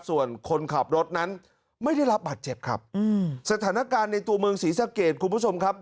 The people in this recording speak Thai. ส่วนคนขับรถนั้นไม่ได้รับบาดเจ็บครับอืมสถานการณ์ในตัวเมืองศรีสะเกดคุณผู้ชมครับ